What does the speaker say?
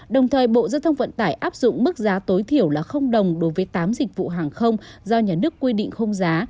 đồng thời bộ giao thông vận tải áp dụng mức giá tối thiểu là đồng đối với tám dịch vụ hàng không do nhà nước quy định không giá